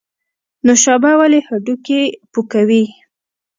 نوشابه ولې هډوکي پوکوي؟